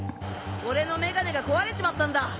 俺のメガネが壊れちまったんだ！